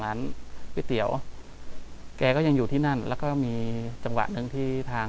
กลับมาที่สุดท้ายและกลับมาที่สุดท้าย